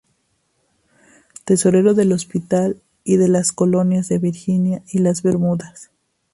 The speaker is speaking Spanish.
Tesorero del hospital y de las colonias de Virginia y las Bermudas.